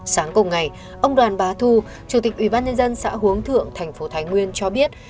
sáng cùng ngày ông đoàn bá thu chủ tịch ubnd xã huống thượng tp thánh nguyên cho biết